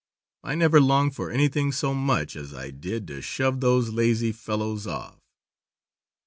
I never longed for anything so much as I did to shove those lazy fellows off.